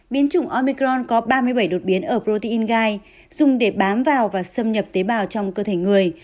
biến chủng omicron có ba mươi bảy đột biến ở protein gai dùng để bám vào và xâm nhập tế bào trong cơ thể người